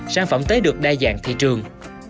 sản phẩm tới được đa dạng thị trường